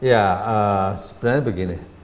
ya sebenarnya begini